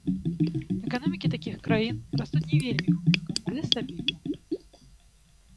Эканомікі такіх краін растуць не вельмі хутка, але стабільна.